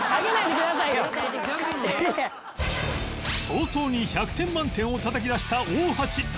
早々に１００点満点をたたき出した大橋